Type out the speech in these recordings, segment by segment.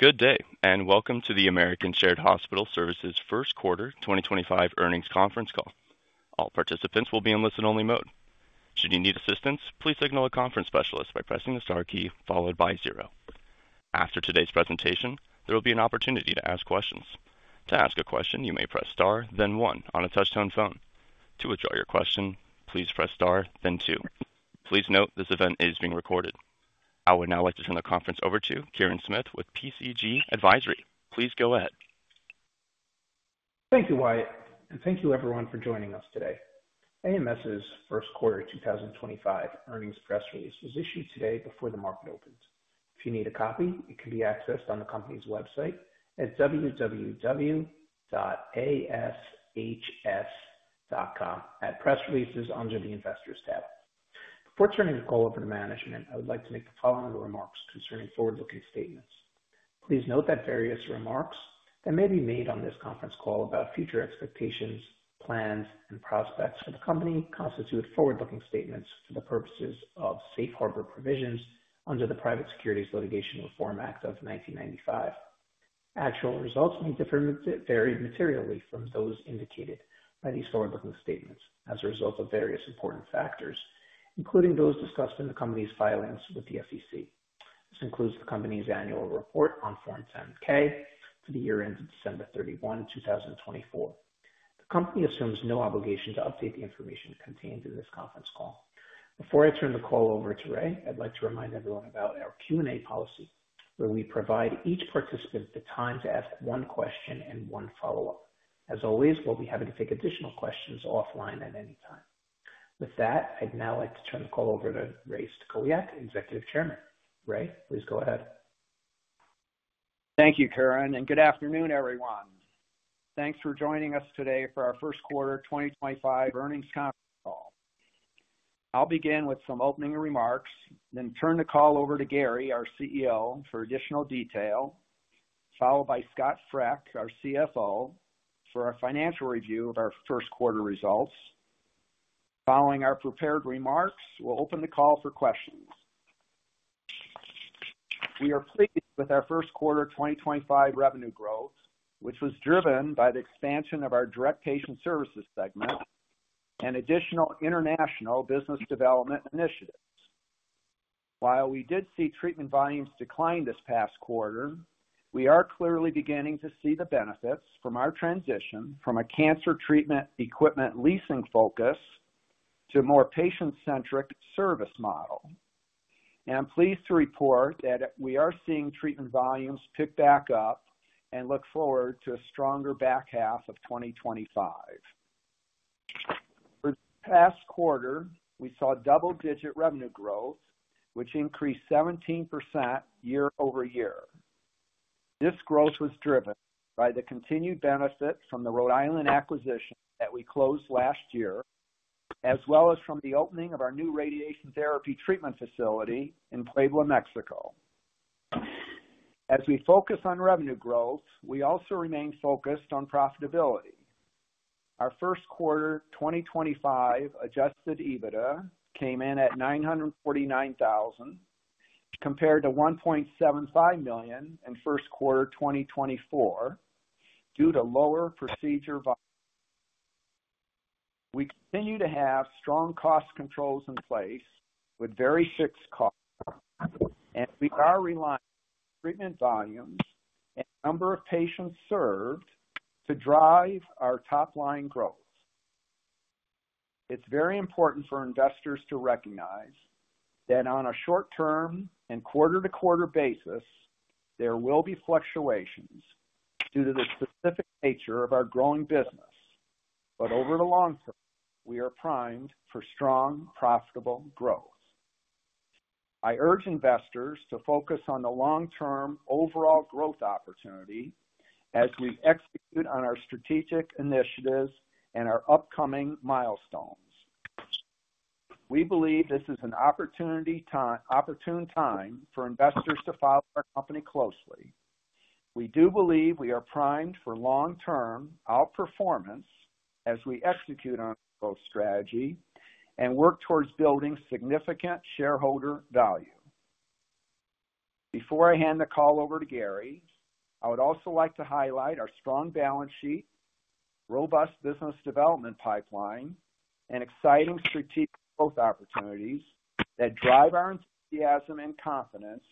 Good day, and welcome to the American Shared Hospital Services First Quarter 2025 Earnings Conference Call. All participants will be in listen-only mode. Should you need assistance, please signal a conference specialist by pressing the star key followed by zero. After today's presentation, there will be an opportunity to ask questions. To ask a question, you may press star, then one, on a touch-tone phone. To withdraw your question, please press star, then two. Please note this event is being recorded. I would now like to turn the conference over to Kirin Smith with PCG Advisory. Please go ahead. Thank you, Wyatt, and thank you, everyone, for joining us today. AMS's first quarter 2025 earnings press release was issued today before the market opened. If you need a copy, it can be accessed on the company's website at www.ashs.com at press releases under the investors tab. Before turning the call over to management, I would like to make the following remarks concerning forward-looking statements. Please note that various remarks that may be made on this conference call about future expectations, plans, and prospects for the company constitute forward-looking statements for the purposes of safe harbor provisions under the Private Securities Litigation Reform Act of 1995. Actual results may vary materially from those indicated by these forward-looking statements as a result of various important factors, including those discussed in the company's filings with the SEC. This includes the company's annual report on Form 10-K for the year ended December 31, 2024. The company assumes no obligation to update the information contained in this conference call. Before I turn the call over to Ray, I'd like to remind everyone about our Q&A policy, where we provide each participant the time to ask one question and one follow-up. As always, we'll be happy to take additional questions offline at any time. With that, I'd now like to turn the call over to Ray Stachowiak, Executive Chairman. Ray, please go ahead. Thank you, Kieran, and good afternoon, everyone. Thanks for joining us today for our First Quarter 2025 earnings conference call. I'll begin with some opening remarks, then turn the call over to Gary, our CEO, for additional detail, followed by Scott Frech, our CFO, for a financial review of our first quarter results. Following our prepared remarks, we'll open the call for questions. We are pleased with our First Quarter 2025 revenue growth, which was driven by the expansion of our direct patient services segment and additional international business development initiatives. While we did see treatment volumes decline this past quarter, we are clearly beginning to see the benefits from our transition from a cancer treatment equipment leasing focus to a more patient-centric service model. I'm pleased to report that we are seeing treatment volumes pick back up and look forward to a stronger back half of 2025. For the past quarter, we saw double-digit revenue growth, which increased 17% year over year. This growth was driven by the continued benefit from the Rhode Island acquisition that we closed last year, as well as from the opening of our new radiation therapy treatment facility in Puebla, Mexico. As we focus on revenue growth, we also remain focused on profitability. Our first quarter 2025 adjusted EBITDA came in at $949,000, compared to $1.75 million in first quarter 2024 due to lower procedure volume. We continue to have strong cost controls in place with very fixed costs, and we are relying on treatment volumes and number of patients served to drive our top-line growth. It's very important for investors to recognize that on a short-term and quarter-to-quarter basis, there will be fluctuations due to the specific nature of our growing business, but over the long term, we are primed for strong, profitable growth. I urge investors to focus on the long-term overall growth opportunity as we execute on our strategic initiatives and our upcoming milestones. We believe this is an opportune time for investors to follow our company closely. We do believe we are primed for long-term outperformance as we execute on our growth strategy and work towards building significant shareholder value. Before I hand the call over to Gary, I would also like to highlight our strong balance sheet, robust business development pipeline, and exciting strategic growth opportunities that drive our enthusiasm and confidence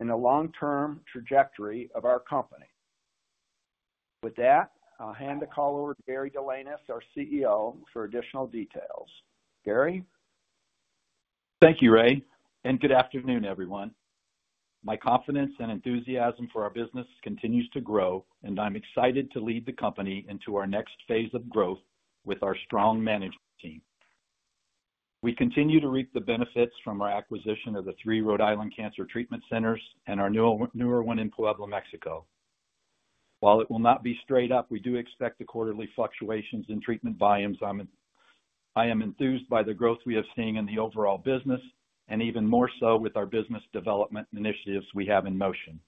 in the long-term trajectory of our company. With that, I'll hand the call over to Gary Delanois, our CEO, for additional details. Gary. Thank you, Ray, and good afternoon, everyone. My confidence and enthusiasm for our business continues to grow, and I'm excited to lead the company into our next phase of growth with our strong management team. We continue to reap the benefits from our acquisition of the three Rhode Island cancer treatment centers and our newer one in Puebla, Mexico. While it will not be straight up, we do expect quarterly fluctuations in treatment volumes. I am enthused by the growth we are seeing in the overall business, and even more so with our business development initiatives we have in motion.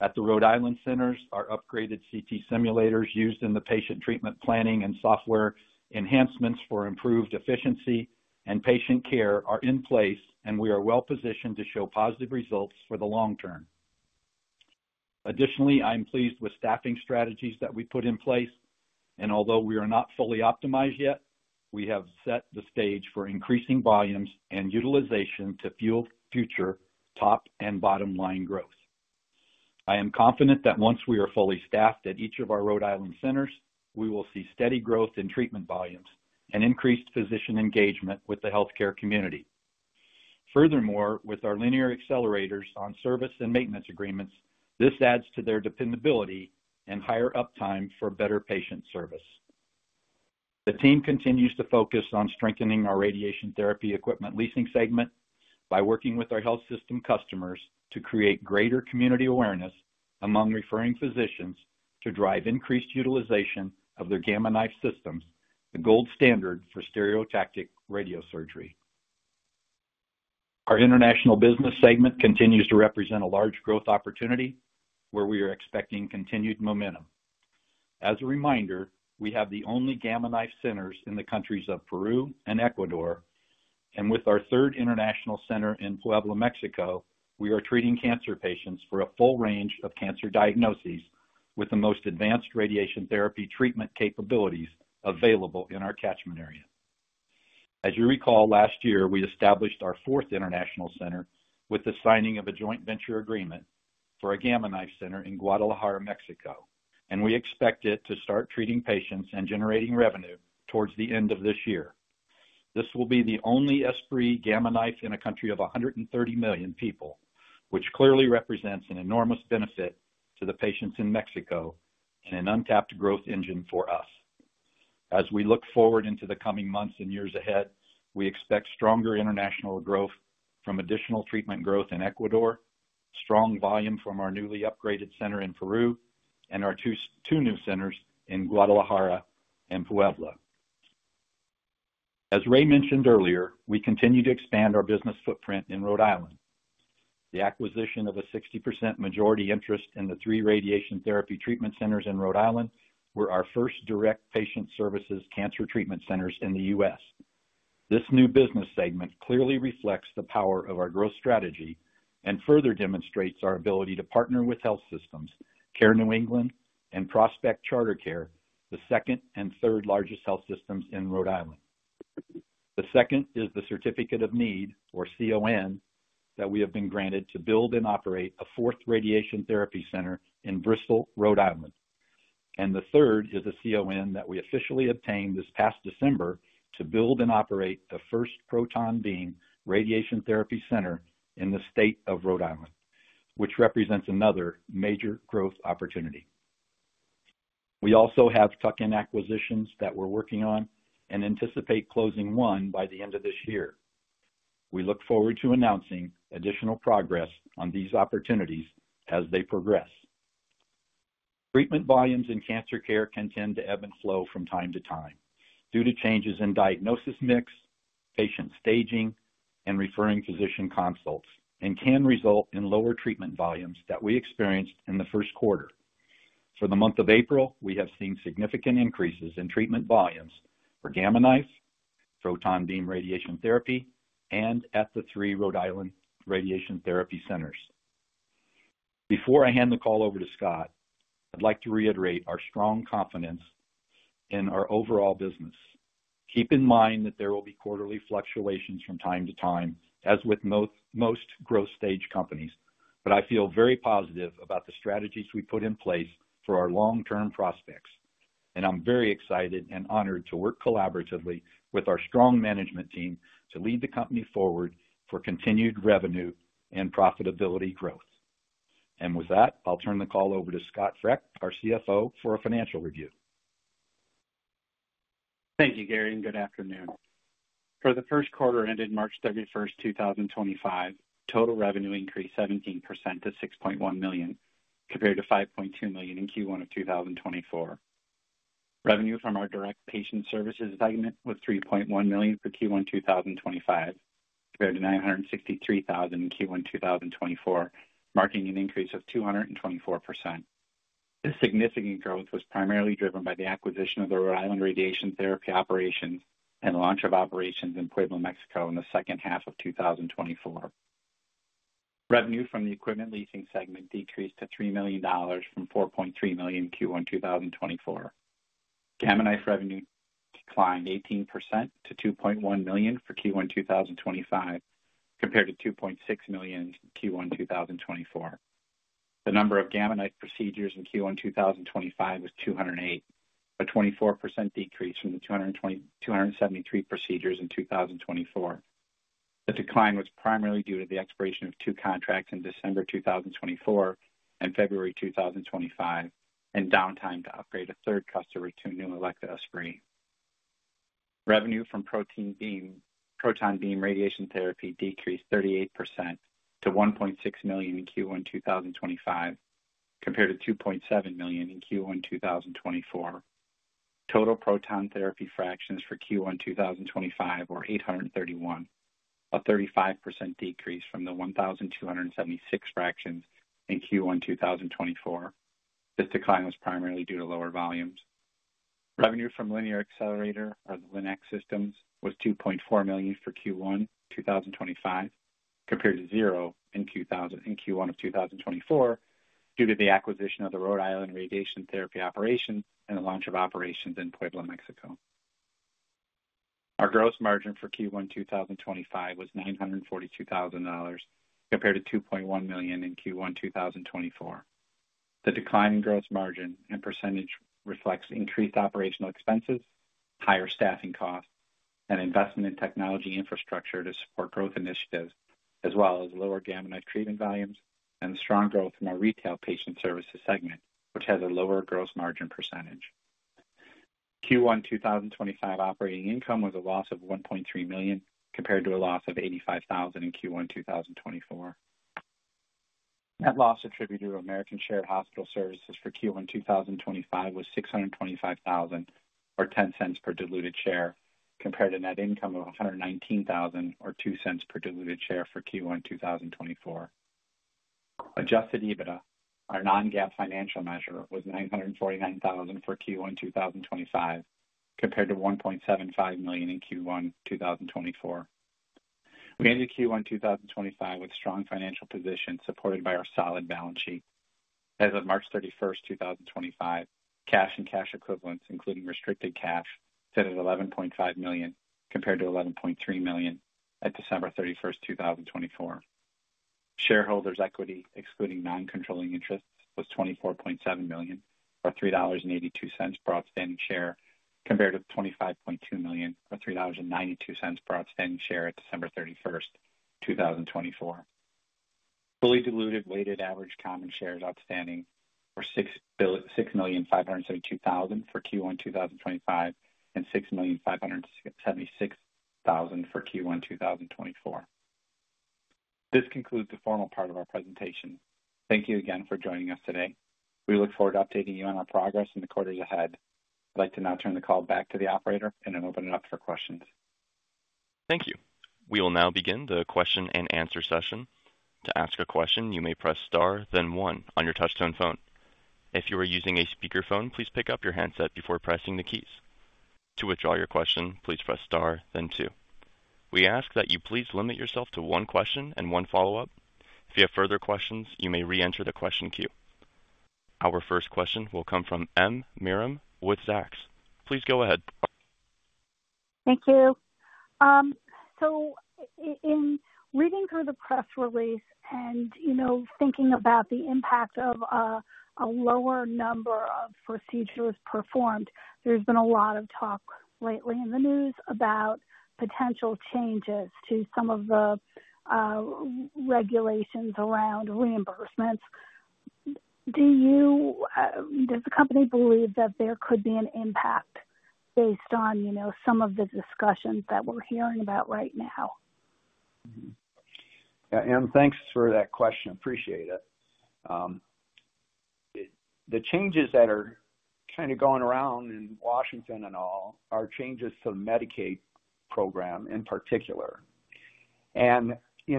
At the Rhode Island centers, our upgraded CT simulators used in the patient treatment planning and software enhancements for improved efficiency and patient care are in place, and we are well-positioned to show positive results for the long term. Additionally, I am pleased with staffing strategies that we put in place, and although we are not fully optimized yet, we have set the stage for increasing volumes and utilization to fuel future top and bottom-line growth. I am confident that once we are fully staffed at each of our Rhode Island centers, we will see steady growth in treatment volumes and increased physician engagement with the healthcare community. Furthermore, with our linear accelerators on service and maintenance agreements, this adds to their dependability and higher uptime for better patient service. The team continues to focus on strengthening our radiation therapy equipment leasing segment by working with our health system customers to create greater community awareness among referring physicians to drive increased utilization of their Gamma Knife systems, the gold standard for stereotactic radiosurgery. Our international business segment continues to represent a large growth opportunity where we are expecting continued momentum. As a reminder, we have the only Gamma Knife centers in the countries of Peru and Ecuador, and with our third international center in Puebla, Mexico, we are treating cancer patients for a full range of cancer diagnoses with the most advanced radiation therapy treatment capabilities available in our catchment area. As you recall, last year, we established our fourth international center with the signing of a joint venture agreement for a Gamma Knife center in Guadalajara, Mexico, and we expect it to start treating patients and generating revenue towards the end of this year. This will be the only S3 Gamma Knife in a country of 130 million people, which clearly represents an enormous benefit to the patients in Mexico and an untapped growth engine for us. As we look forward into the coming months and years ahead, we expect stronger international growth from additional treatment growth in Ecuador, strong volume from our newly upgraded center in Peru, and our two new centers in Guadalajara and Puebla. As Ray mentioned earlier, we continue to expand our business footprint in Rhode Island. The acquisition of a 60% majority interest in the three radiation therapy treatment centers in Rhode Island were our first direct patient services cancer treatment centers in the U.S. This new business segment clearly reflects the power of our growth strategy and further demonstrates our ability to partner with health systems, Care New England, and Prospect CharterCare, the second and third largest health systems in Rhode Island. The second is the Certificate of Need, or CON, that we have been granted to build and operate a fourth radiation therapy center in Bristol, Rhode Island. The third is a CON that we officially obtained this past December to build and operate the first proton beam radiation therapy center in the state of Rhode Island, which represents another major growth opportunity. We also have tuck-in acquisitions that we are working on and anticipate closing one by the end of this year. We look forward to announcing additional progress on these opportunities as they progress. Treatment volumes in cancer care can tend to ebb and flow from time to time due to changes in diagnosis mix, patient staging, and referring physician consults, and can result in lower treatment volumes that we experienced in the first quarter. For the month of April, we have seen significant increases in treatment volumes for Gamma Knife, proton beam radiation therapy, and at the three Rhode Island radiation therapy centers. Before I hand the call over to Scott, I'd like to reiterate our strong confidence in our overall business. Keep in mind that there will be quarterly fluctuations from time to time, as with most growth stage companies, but I feel very positive about the strategies we put in place for our long-term prospects, and I'm very excited and honored to work collaboratively with our strong management team to lead the company forward for continued revenue and profitability growth. With that, I'll turn the call over to Scott Frech, our CFO, for a financial review. Thank you, Gary, and good afternoon. For the first quarter ended March 31, 2025, total revenue increased 17% to $6.1 million, compared to $5.2 million in Q1 of 2024. Revenue from our direct patient services segment was $3.1 million for Q1 2025, compared to $963,000 in Q1 2024, marking an increase of 224%. This significant growth was primarily driven by the acquisition of the Rhode Island radiation therapy operations and launch of operations in Puebla, Mexico, in the second half of 2024. Revenue from the equipment leasing segment decreased to $3 million from $4.3 million Q1 2024. Gamma Knife revenue declined 18% to $2.1 million for Q1 2025, compared to $2.6 million Q1 2024. The number of Gamma Knife procedures in Q1 2025 was 208, a 24% decrease from the 273 procedures in 2024. The decline was primarily due to the expiration of two contracts in December 2024 and February 2025, and downtime to upgrade a third customer to a new Elekta S3. Revenue from proton beam radiation therapy decreased 38% to $1.6 million in Q1 2025, compared to $2.7 million in Q1 2024. Total proton therapy fractions for Q1 2025 were 831, a 35% decrease from the 1,276 fractions in Q1 2024. This decline was primarily due to lower volumes. Revenue from linear accelerator, or the Linac systems, was $2.4 million for Q1 2025, compared to $0 in Q1 of 2024 due to the acquisition of the Rhode Island radiation therapy operation and the launch of operations in Puebla, Mexico. Our gross margin for Q1 2025 was $942,000, compared to $2.1 million in Q1 2024. The decline in gross margin and percentage reflects increased operational expenses, higher staffing costs, and investment in technology infrastructure to support growth initiatives, as well as lower Gamma Knife treatment volumes and strong growth from our retail patient services segment, which has a lower gross margin percentage. Q1 2025 operating income was a loss of $1.3 million, compared to a loss of $85,000 in Q1 2024. Net loss attributed to American Shared Hospital Services for Q1 2025 was $625,000, or $0.10 per diluted share, compared to net income of $119,000, or $0.02 per diluted share for Q1 2024. Adjusted EBITDA, our non-GAAP financial measure, was $949,000 for Q1 2025, compared to $1.75 million in Q1 2024. We entered Q1 2025 with a strong financial position supported by our solid balance sheet. As of March 31, 2025, cash and cash equivalents, including restricted cash, set at $11.5 million, compared to $11.3 million at December 31, 2024. Shareholders' equity, excluding non-controlling interest, was $24.7 million, or $3.82 per outstanding share, compared to $25.2 million, or $3.92 per outstanding share at December 31, 2024. Fully diluted weighted average common shares outstanding were 6,572,000 for Q1 2025 and 6,576,000 for Q1 2024. This concludes the formal part of our presentation. Thank you again for joining us today. We look forward to updating you on our progress in the quarters ahead. I'd like to now turn the call back to the operator and open it up for questions. Thank you. We will now begin the question and answer session. To ask a question, you may press star, then one on your touch-tone phone. If you are using a speakerphone, please pick up your handset before pressing the keys. To withdraw your question, please press star, then two. We ask that you please limit yourself to one question and one follow-up. If you have further questions, you may re-enter the question queue. Our first question will come from M. Marin with Zacks. Please go ahead. Thank you. In reading through the press release and thinking about the impact of a lower number of procedures performed, there's been a lot of talk lately in the news about potential changes to some of the regulations around reimbursements. Does the company believe that there could be an impact based on some of the discussions that we're hearing about right now? Yeah, and thanks for that question. Appreciate it. The changes that are kind of going around in Washington and all are changes to the Medicaid program in particular. We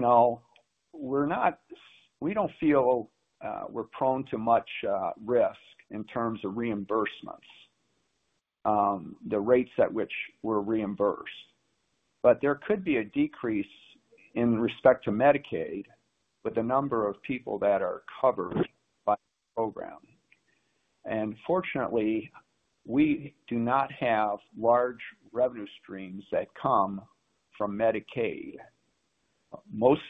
do not feel we're prone to much risk in terms of reimbursements, the rates at which we're reimbursed. There could be a decrease in respect to Medicaid with the number of people that are covered by the program. Fortunately, we do not have large revenue streams that come from Medicaid. Most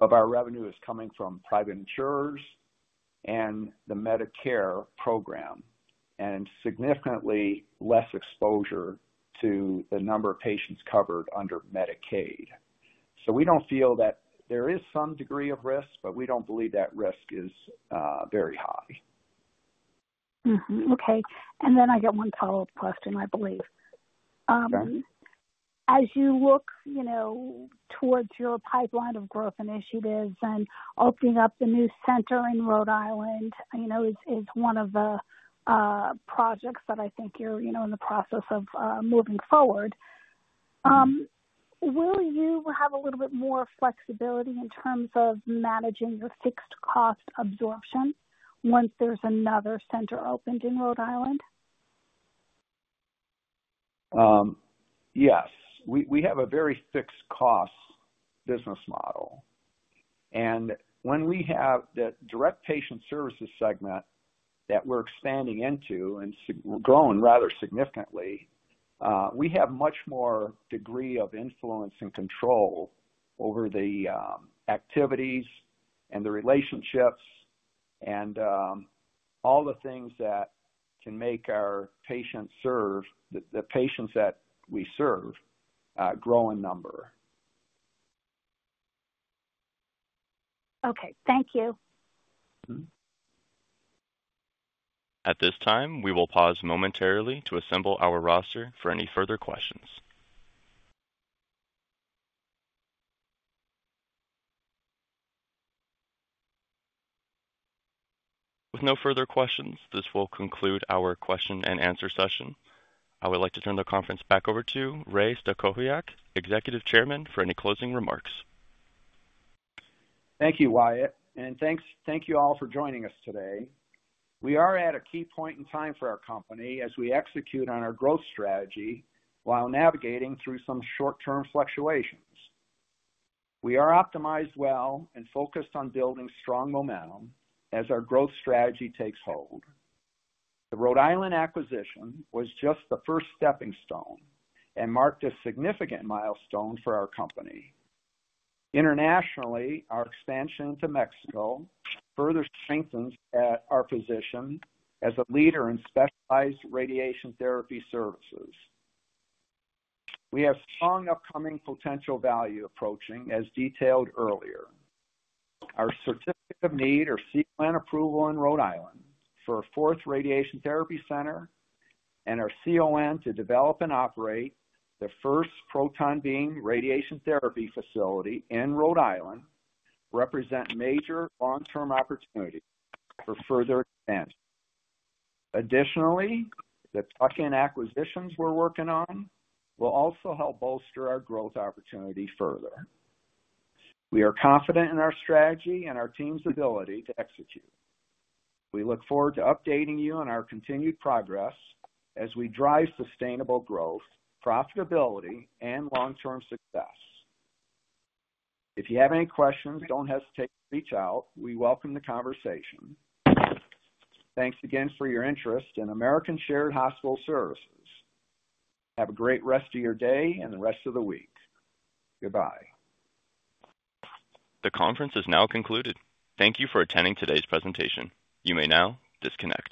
of our revenue is coming from private insurers and the Medicare program, and significantly less exposure to the number of patients covered under Medicaid. We do not feel that there is some degree of risk, but we do not believe that risk is very high. Okay. I got one follow-up question, I believe. As you look towards your pipeline of growth initiatives and opening up the new center in Rhode Island is one of the projects that I think you're in the process of moving forward, will you have a little bit more flexibility in terms of managing your fixed cost absorption once there's another center opened in Rhode Island? Yes. We have a very fixed cost business model. When we have the direct patient services segment that we're expanding into and growing rather significantly, we have a much more degree of influence and control over the activities and the relationships and all the things that can make our patients serve, the patients that we serve, grow in number. Okay. Thank you. At this time, we will pause momentarily to assemble our roster for any further questions. With no further questions, this will conclude our question and answer session. I would like to turn the conference back over to Ray Stachowiak, Executive Chairman, for any closing remarks. Thank you, Wyatt. Thank you all for joining us today. We are at a key point in time for our company as we execute on our growth strategy while navigating through some short-term fluctuations. We are optimized well and focused on building strong momentum as our growth strategy takes hold. The Rhode Island acquisition was just the first stepping stone and marked a significant milestone for our company. Internationally, our expansion into Mexico further strengthens our position as a leader in specialized radiation therapy services. We have strong upcoming potential value approaching, as detailed earlier. Our certificate of need, or CON, approval in Rhode Island for a fourth radiation therapy center and our CON to develop and operate the first proton beam radiation therapy facility in Rhode Island represent major long-term opportunities for further expansion. Additionally, the tuck-in acquisitions we're working on will also help bolster our growth opportunity further. We are confident in our strategy and our team's ability to execute. We look forward to updating you on our continued progress as we drive sustainable growth, profitability, and long-term success. If you have any questions, don't hesitate to reach out. We welcome the conversation. Thanks again for your interest in American Shared Hospital Services. Have a great rest of your day and the rest of the week. Goodbye. The conference is now concluded. Thank you for attending today's presentation. You may now disconnect.